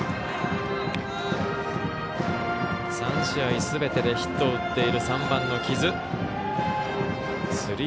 ３試合すべてでヒットを打っている３番の木津。